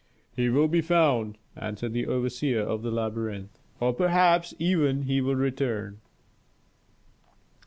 "He will be found," answered the overseer of the labyrinth, "or perhaps even he will return."